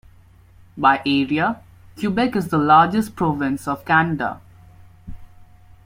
By area, Quebec is the largest province of Canada.